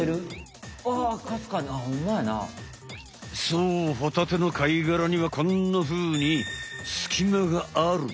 そうホタテの貝がらにはこんなふうにスキマがある。